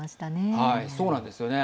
そうなんですよね。